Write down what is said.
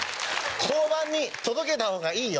交番に届けた方がいいよ。